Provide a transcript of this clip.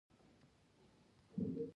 هغه سانتیاګو ته باطني طلا ورپېژني.